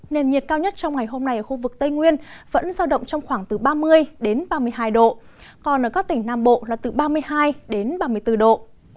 nền nhiệt cao nhất trong ngày hôm nay ở khu vực tây nguyên vẫn giao động trong khoảng từ ba mươi đến ba mươi hai độ còn ở các tỉnh nam bộ là từ ba mươi hai đến ba mươi bốn độ